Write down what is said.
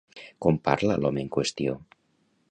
Com parla l'home en qüestió?